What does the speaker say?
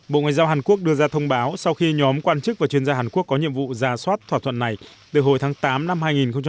bộ ngoại giao hàn quốc đưa ra thông báo sau khi nhóm quan chức và chuyên gia hàn quốc có nhiệm vụ giả soát thỏa thuận này từ hồi tháng tám năm hai nghìn một mươi năm